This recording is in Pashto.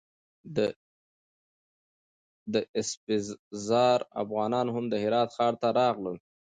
د اسفزار افغانان هم د هرات ښار ته راغلل.